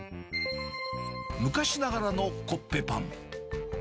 昔ながらのコッペパン。